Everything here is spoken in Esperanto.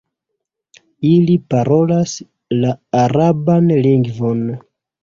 Ili parolas la araban lingvon.